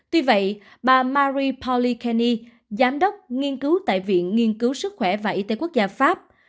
tuy vậy bà marie pauli kenny giám đốc nghiên cứu tại viện nghiên cứu sức khỏe và y tế quốc gia pháp